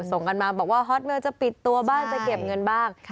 ส่งกันมาบอกว่าฮอตแมวจะปิดตัวบ้างจะเก็บเงินบ้าง